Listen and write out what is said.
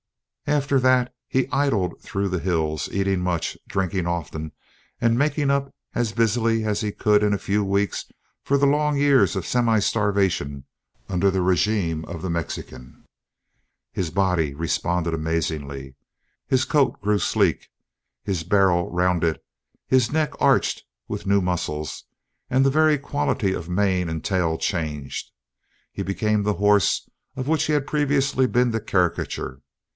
After that, he idled through the hills eating much, drinking often, and making up as busily as he could in a few weeks for the long years of semi starvation under the regime of the Mexican. His body responded amazingly. His coat grew sleek, his barrel rounded, his neck arched with new muscles and the very quality of mane and tail changed; he became the horse of which he had previously been the caricature.